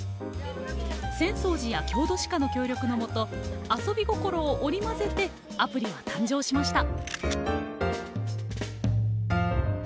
浅草寺や郷土史家の協力のもと遊び心を織り交ぜてアプリは誕生しました。